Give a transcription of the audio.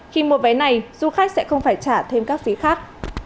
khi mua vé này du khách sẽ không phải trả thêm các phí khác